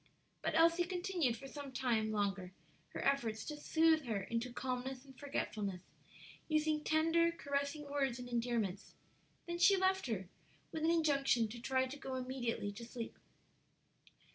But Elsie continued for some time longer her efforts to soothe her into calmness and forgetfulness, using tender, caressing words and endearments; then she left her, with an injunction to try to go immediately to sleep.